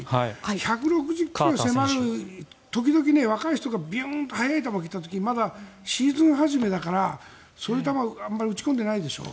１６０ｋｍに迫る時々、若い人がビュンッと速い球を受けた時シーズン初めだからそういう球をあんまり打ち込んでないでしょ。